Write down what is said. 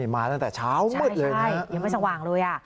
มาตั้งแต่เช้ามืดเลยใช่ยังไม่สว่างเลยอ่ะ